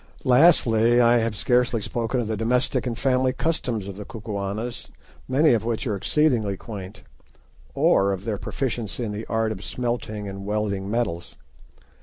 Lastly, I have scarcely spoken of the domestic and family customs of the Kukuanas, many of which are exceedingly quaint, or of their proficiency in the art of smelting and welding metals.